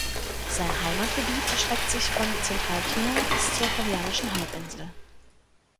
Sein Heimatgebiet erstreckt sich von Zentralchina bis zur koreanischen Halbinsel.